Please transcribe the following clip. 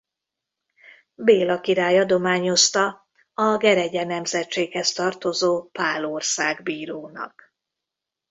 Béla király adományozta a Geregye nemzetséghez tartozó Pál országbírónak.